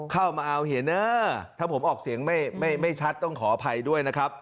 เข้ามาเอาเห็นถ้าผมออกเสียงไม่ชัดต้องขออภัยด้วยนะครับ